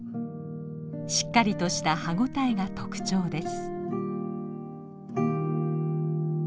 しっかりとした歯応えが特徴です。